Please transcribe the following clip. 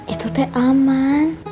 itu teh aman